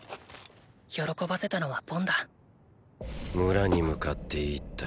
喜ばせたのはボンだ村に向かって１体。